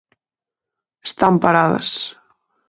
Están paradas.